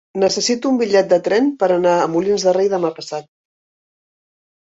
Necessito un bitllet de tren per anar a Molins de Rei demà passat.